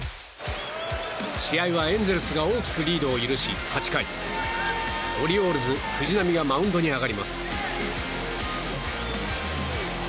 試合はエンゼルスが大きくリードを許し８回、オリオールズ藤浪がマウンドに上がります。